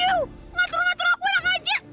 ngatur ngatur aku anak aja